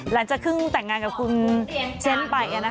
หลังจากเพิ่งแต่งงานกับคุณเชนไป